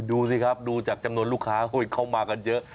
ดูสิครับดูจากจำนวนลูกค้าเข้ามากันเยอะ